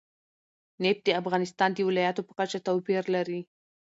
نفت د افغانستان د ولایاتو په کچه توپیر لري.